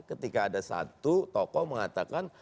ketika ada satu tokoh mengatakan